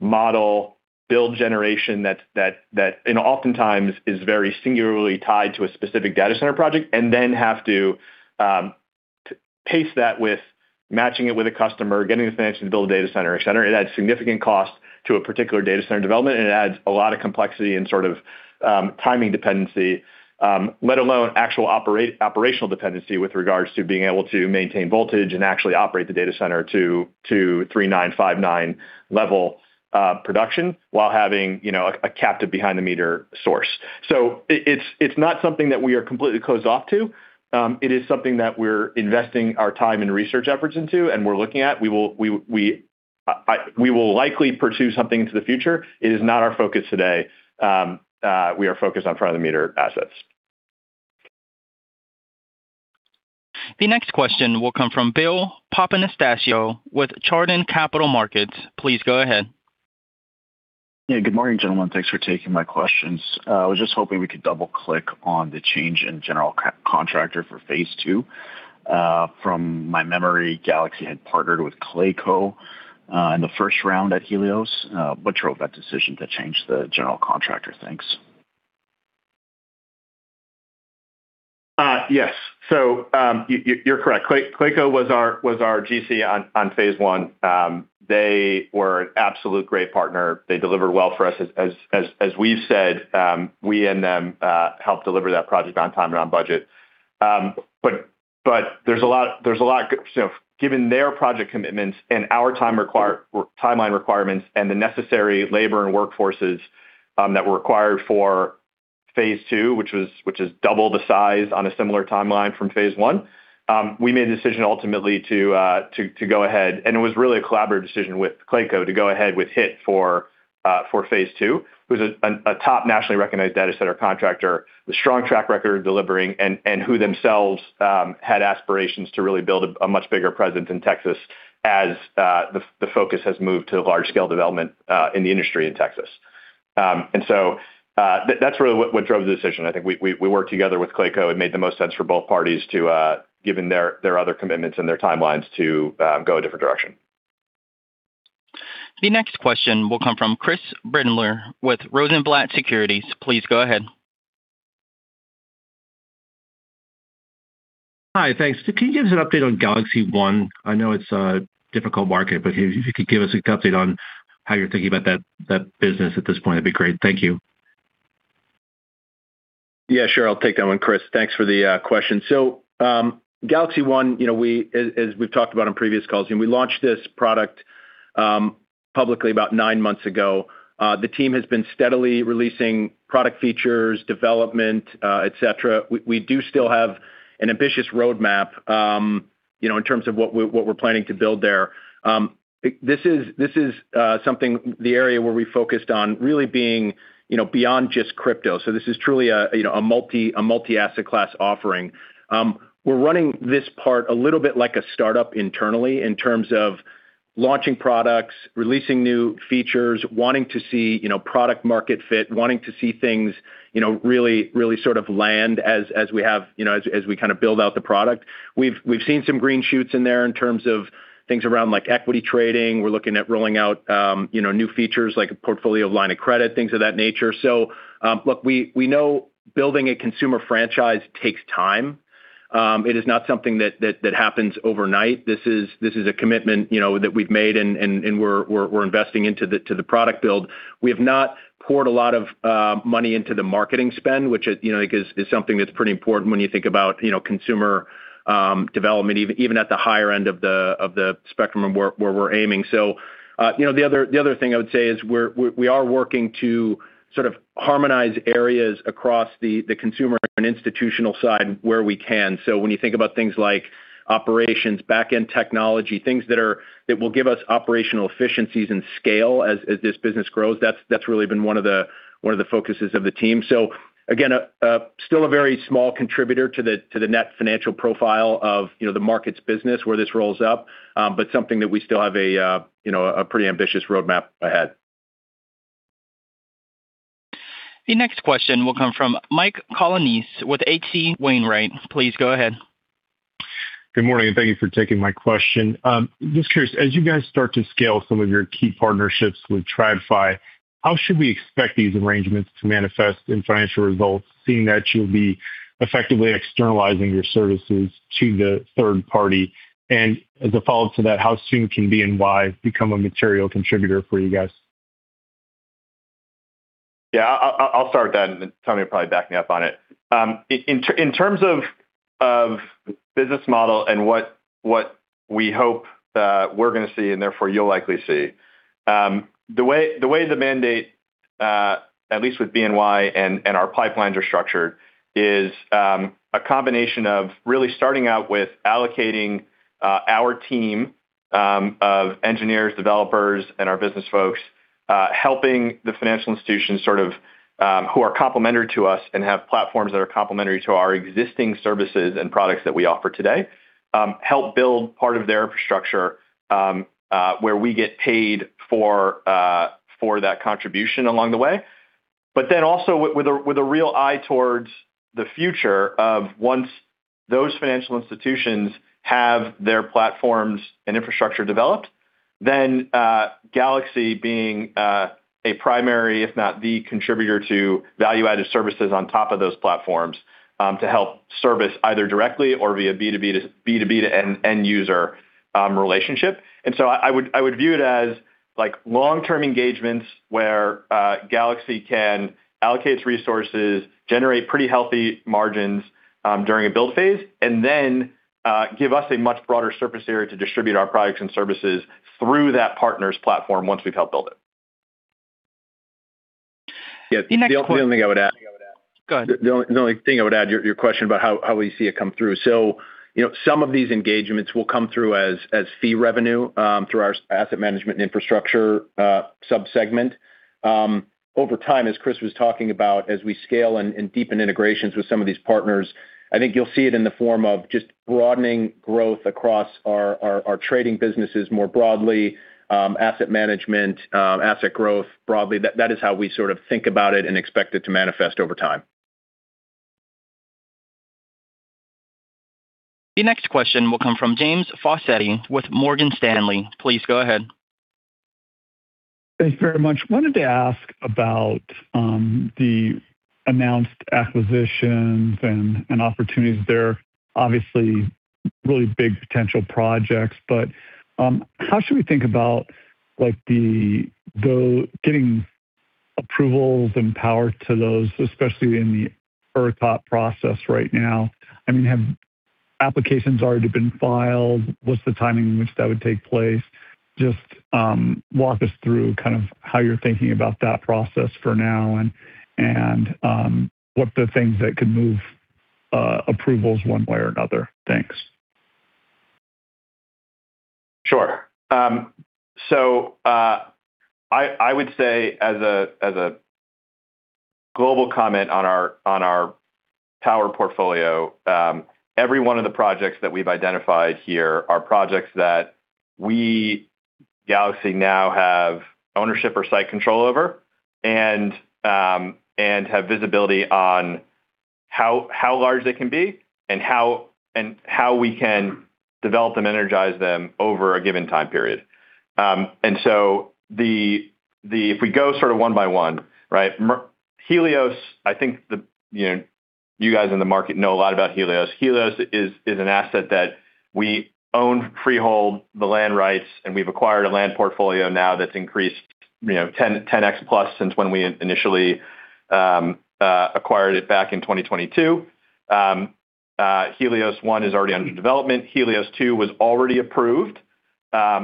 model, build generation that oftentimes is very singularly tied to a specific data center project, and then have to pace that with matching it with a customer, getting the finance to build a data center, et cetera. It adds significant cost to a particular data center development, and it adds a lot of complexity and sort of timing dependency, let alone actual operational dependency with regards to being able to maintain voltage and actually operate the data center to three nine five nine level production while having a captive behind the meter source. It's not something that we are completely closed off to. It is something that we're investing our time and research efforts into and we're looking at. We will likely pursue something into the future. It is not our focus today. We are focused on front of the meter assets. The next question will come from Bill Papanastasiou with Chardan Capital Markets. Please go ahead. Good morning, gentlemen. Thanks for taking my questions. I was just hoping we could double click on the change in general contractor for Phase II. From my memory, Galaxy had partnered with Clayco in the first round at Helios. What drove that decision to change the general contractor? Thanks. Yes. You're correct. Clayco was our GC on Phase I. They were an absolute great partner. They delivered well for us. As we've said, we and them helped deliver that project on time and on budget. Given their project commitments and our timeline requirements and the necessary labor and workforces that were required for Phase II, which is double the size on a similar timeline from Phase I. We made a decision ultimately to go ahead, and it was really a collaborative decision with Clayco to go ahead with HITT for Phase II, who's a top nationally recognized data center contractor with strong track record of delivering, and who themselves had aspirations to really build a much bigger presence in Texas as the focus has moved to large scale development in the industry in Texas, so that's really what drove the decision. I think we worked together with Clayco. It made the most sense for both parties, given their other commitments and their timelines, to go a different direction. The next question will come from Chris Brendler with Rosenblatt Securities. Please go ahead. Hi. Thanks. Can you give us an update on GalaxyOne? I know it's a difficult market, if you could give us an update on how you're thinking about that business at this point, it'd be great. Thank you. Yeah, sure. I'll take that one, Chris. Thanks for the question. GalaxyOne, as we've talked about on previous calls, we launched this product publicly about nine months ago. The team has been steadily releasing product features, development, et cetera. We do still have an ambitious roadmap in terms of what we're planning to build there. This is something, the area where we focused on really being beyond just crypto. This is truly a multi-asset class offering. We're running this part a little bit like a startup internally in terms of launching products, releasing new features, wanting to see product-market fit, wanting to see things really sort of land as we kind of build out the product. We've seen some green shoots in there in terms of things around equity trading. We're looking at rolling out new features like a portfolio line of credit, things of that nature. Look, we know building a consumer franchise takes time. It is not something that happens overnight. This is a commitment that we've made, and we're investing into the product build. We have not poured a lot of money into the marketing spend, which is something that's pretty important when you think about consumer development, even at the higher end of the spectrum of where we're aiming. The other thing I would say is we are working to sort of harmonize areas across the consumer and institutional side where we can. When you think about things like operations, backend technology, things that will give us operational efficiencies and scale as this business grows, that's really been one of the focuses of the team. Again, still a very small contributor to the net financial profile of the markets business where this rolls up. Something that we still have a pretty ambitious roadmap ahead. The next question will come from Mike Colonnese with H.C. Wainwright. Please go ahead. Good morning. Thank you for taking my question. Just curious, as you guys start to scale some of your key partnerships with TradFi, how should we expect these arrangements to manifest in financial results, seeing that you'll be effectively externalizing your services to the third party? As a follow-up to that, how soon can BNY become a material contributor for you guys? Yeah. I'll start that. Tony will probably back me up on it. In terms of business model and what we hope that we're going to see, and therefore you'll likely see, the way the mandate, at least with BNY and our pipelines are structured, is a combination of really starting out with allocating our team of engineers, developers, and our business folks, helping the financial institutions who are complementary to us and have platforms that are complementary to our existing services and products that we offer today. Help build part of their infrastructure where we get paid for that contribution along the way, bit then also with a real eye towards the future of once those financial institutions have their platforms and infrastructure developed, then Galaxy being a primary, if not the contributor to value-added services on top of those platforms, to help service either directly or via B2B to end user relationship. I would view it as long-term engagements where Galaxy can allocate its resources, generate pretty healthy margins during a build phase, then give us a much broader surface area to distribute our products and services through that partner's platform once we've helped build it. The next question. The only thing I would add. Go ahead. The only thing I would add, your question about how we see it come through. Some of these engagements will come through as fee revenue through our asset management and infrastructure sub-segment. Over time, as Chris was talking about, as we scale and deepen integrations with some of these partners, I think you'll see it in the form of just broadening growth across our trading businesses more broadly, asset management, asset growth broadly. That is how we sort of think about it and expect it to manifest over time. The next question will come from James Faucette with Morgan Stanley. Please go ahead. Thanks very much. Wanted to ask about the announced acquisitions and opportunities there, obviously really big potential projects. How should we think about getting approvals and power to those, especially in the ERCOT process right now? I mean, have applications already been filed? What's the timing in which that would take place? Just walk us through kind of how you're thinking about that process for now and what the things that could move approvals one way or another. Thanks. Sure. I would say as a global comment on our power portfolio every one of the projects that we've identified here are projects that we, Galaxy, now have ownership or site control over and have visibility on how large they can be and how we can develop and energize them over a given time period. If we go sort of one by one, right? Helios, I think you guys in the market know a lot about Helios. Helios is an asset that we own freehold the land rights, and we've acquired a land portfolio now that's increased 10x plus since when we initially acquired it back in 2022. Helios one is already under development. Helios two was already approved.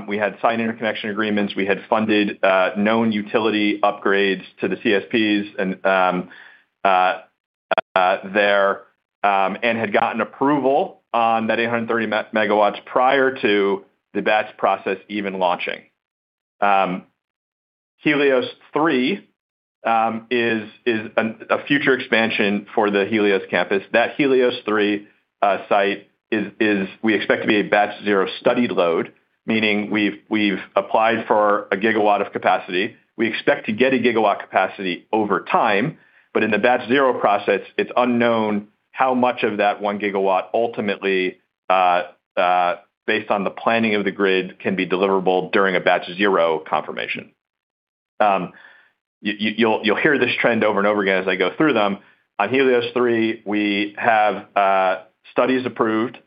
We had signed interconnection agreements. We had funded known utility upgrades to the CSPs and had gotten approval on that 830 MW prior to the Batch process even launching. Helios three is a future expansion for the Helios campus. That Helios Three site is we expect to be a Batch Zero studied load, meaning we've applied for 1 GW of capacity. We expect to get 1 GW capacity over time, but in the Batch Zero process, it's unknown how much of that 1 GW ultimately based on the planning of the grid can be deliverable during a Batch Zero confirmation. You'll hear this trend over and over again as I go through them. On Helios three, we have studies approved.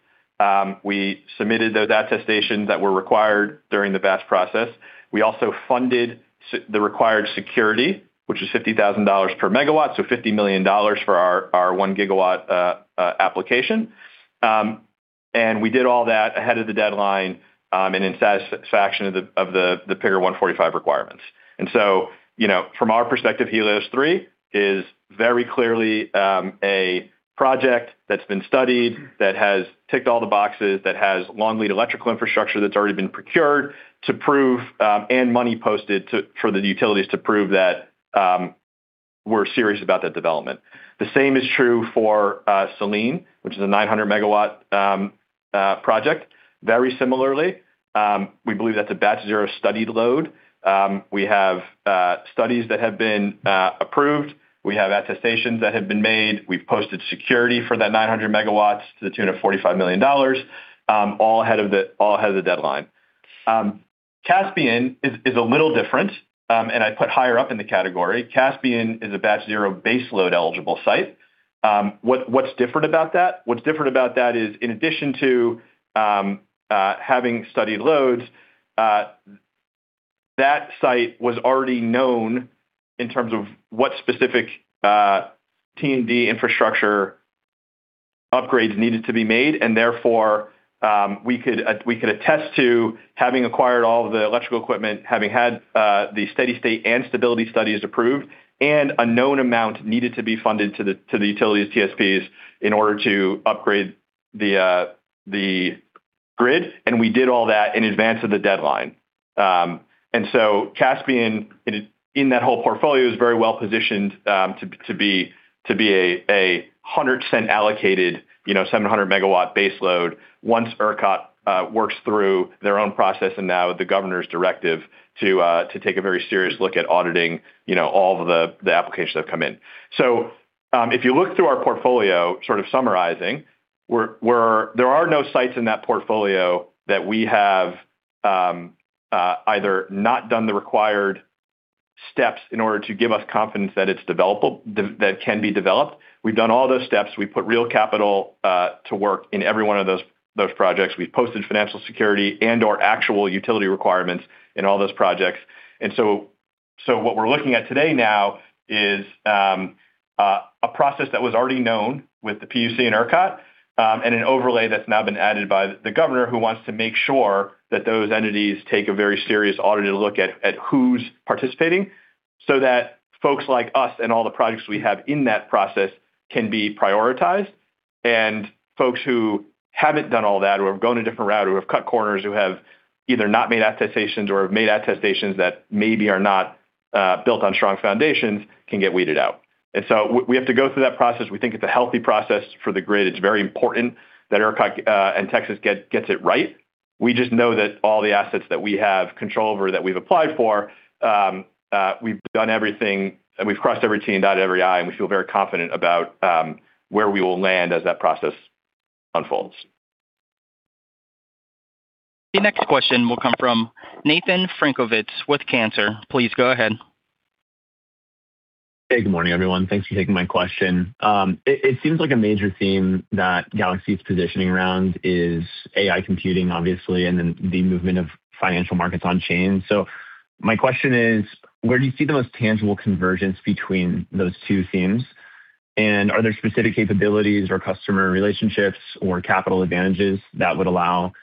We submitted those attestations that were required during the Batch process. We also funded the required security, which is $50,000 per MW, so $50 million for our 1 GW application. We did all that ahead of the deadline and in satisfaction of the Texas House Bill 145 requirements. From our perspective, Helios three is very clearly a project that's been studied, that has ticked all the boxes, that has long lead electrical infrastructure that's already been procured to prove and money posted for the utilities to prove that we're serious about that development. The same is true for Selene, which is a 900 MW project. Similarly, we believe that's a Batch Zero studied load. We have studies that have been approved. We have attestations that have been made. We've posted security for that 900 MW to the tune of $45 million, all ahead of the deadline. Caspian is a little different and I'd put higher up in the category. Caspian is a Batch Zero base load eligible site. What's different about that? What's different about that is in addition to having studied loads, that site was already known in terms of what specific T&D infrastructure upgrades needed to be made. Therefore, we could attest to having acquired all of the electrical equipment, having had the steady state and stability studies approved, and a known amount needed to be funded to the utilities TSPs in order to upgrade the grid, and we did all that in advance of the deadline. Caspian in that whole portfolio is very well positioned to be 100% allocated 700 MW base load once ERCOT works through their own process and now the Governor's directive to take a very serious look at auditing all of the applications that have come in. If you look through our portfolio sort of summarizing, there are no sites in that portfolio that we have either not done the required steps in order to give us confidence that it's developable, that can be developed. We've done all those steps. We put real capital to work in every one of those projects. We've posted financial security and/or actual utility requirements in all those projects. What we're looking at today now is a process that was already known with the PUCT and ERCOT and an overlay that's now been added by the Governor who wants to make sure that those entities take a very serious audited look at who's participating so that folks like us and all the projects we have in that process can be prioritized. And folks who haven't done all that or have gone a different route or have cut corners who have either not made attestations or have made attestations that maybe are not built on strong foundations can get weeded out. We have to go through that process. We think it's a healthy process for the grid. It's very important that ERCOT and Texas gets it right. We just know that all the assets that we have control over that we've applied for, we've done everything and we've crossed every T and dotted every I, and we feel very confident about where we will land as that process unfolds. The next question will come from Nathan Frankovitz with Cantor. Please go ahead. Hey, good morning, everyone. Thanks for taking my question. It seems like a major theme that Galaxy's positioning around is AI computing obviously, and then the movement of financial markets on chain. So my question is, where do you see the most tangible convergence between those two themes? Are there specific capabilities or customer relationships or capital advantages that would allow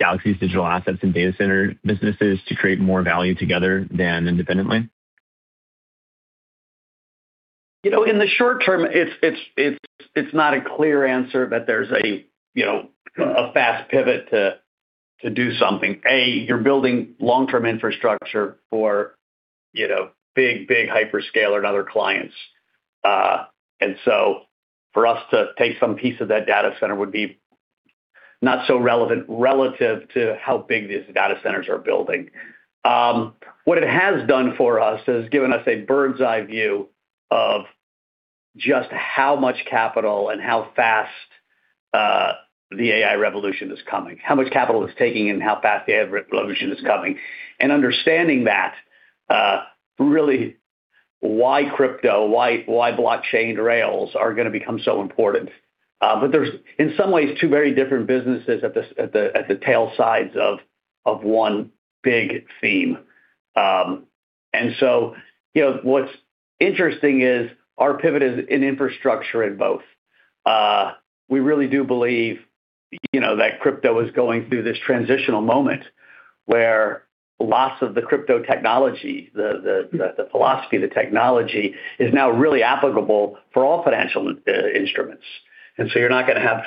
Galaxy's digital assets and data center businesses to create more value together than independently? In the short term, it's not a clear answer that there's a fast pivot to do something. You're building long-term infrastructure for big hyperscale and other clients. For us to take some piece of that data center would be not so relevant relative to how big these data centers are building. What it has done for us is given us a bird's eye view of just how much capital and how fast the AI revolution is coming, how much capital it's taking and how fast the AI revolution is coming. Understanding that really why crypto, why blockchain rails are going to become so important. There's, in some ways, two very different businesses at the tail sides of one big theme. What's interesting is our pivot is in infrastructure in both. We really do believe that crypto is going through this transitional moment where lots of the crypto technology, the philosophy, the technology, is now really applicable for all financial instruments. You're not going to have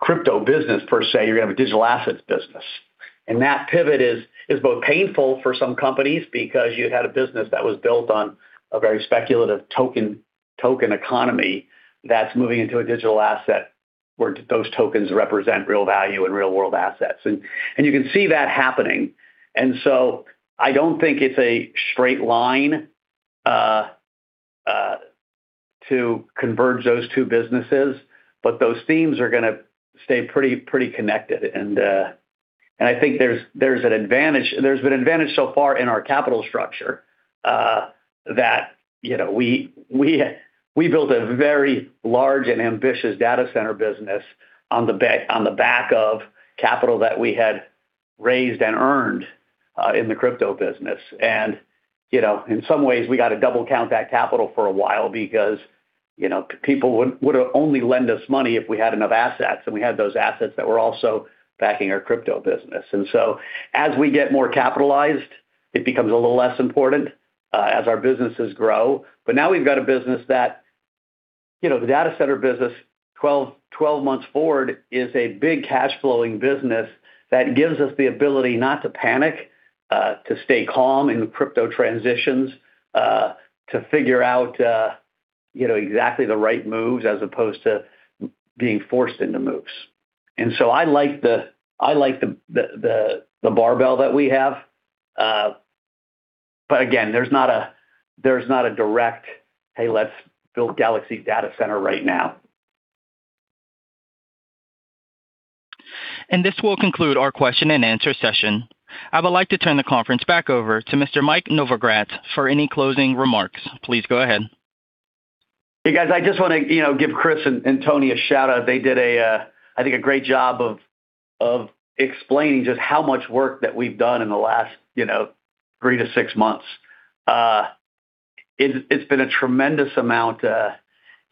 crypto business per se, you're going to have a digital assets business. That pivot is both painful for some companies because you had a business that was built on a very speculative token economy that's moving into a digital asset where those tokens represent real value and real-world assets. You can see that happening. I don't think it's a straight line to converge those two businesses, but those themes are going to stay pretty connected. I think there's been advantage so far in our capital structure, that we built a very large and ambitious data center business on the back of capital that we had raised and earned in the crypto business. In some ways, we got to double count that capital for a while because people would only lend us money if we had enough assets, and we had those assets that were also backing our crypto business. As we get more capitalized, it becomes a little less important as our businesses grow. Now we've got a business that the data center business 12 months forward is a big cash flowing business that gives us the ability not to panic, to stay calm in the crypto transitions, to figure out exactly the right moves as opposed to being forced into moves. I like the barbell that we have. Again, there's not a direct, "Hey, let's build Galaxy Data Center right now. This will conclude our question and answer session. I would like to turn the conference back over to Mr. Mike Novogratz for any closing remarks. Please go ahead. Hey, guys, I just want to give Chris and Tony a shout-out. They did, I think, a great job of explaining just how much work that we've done in the last three to six months. It's been a tremendous amount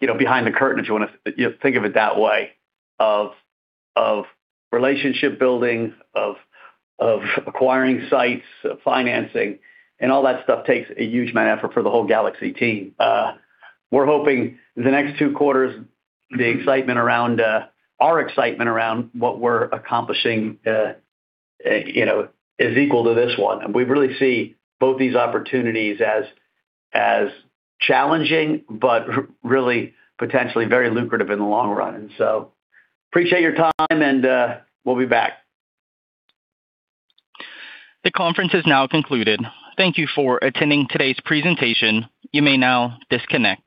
behind the curtain, if you want to think of it that way, of relationship building, of acquiring sites, of financing, and all that stuff takes a huge amount of effort for the whole Galaxy team. We're hoping the next two quarters, our excitement around what we're accomplishing is equal to this one. We really see both these opportunities as challenging, but really potentially very lucrative in the long run. So appreciate your time, and we'll be back. The conference is now concluded. Thank you for attending today's presentation. You may now disconnect.